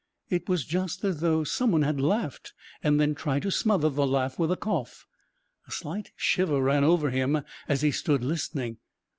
It was just as though someone had laughed and then tried to smother the laugh with a cough. A slight shiver ran over him as he stood listening.